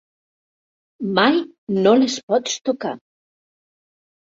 Mai no les pots tocar.